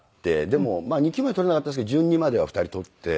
でも２級まで取れなかったですけど準２までは２人取って。